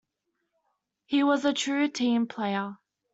He was a true team player.